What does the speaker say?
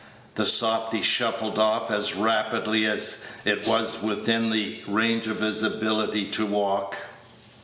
The softy shuffled off as rapidly as it was within the range of his ability to walk.